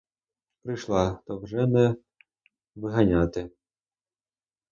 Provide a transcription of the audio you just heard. Прийшла, то вже не виганяти.